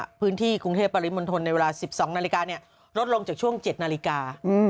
พื้นที่กรุงเทพปริมณฑลในเวลา๑๒นาฬิกาลดลงจากช่วง๗นาฬิกา